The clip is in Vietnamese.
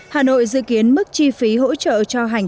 hà nội dự kiến mức chi phí hỗ trợ cho hành